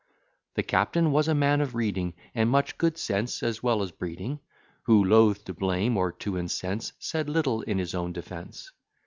The captain was a man of reading, And much good sense, as well as breeding; Who, loath to blame, or to incense, Said little in his own defence.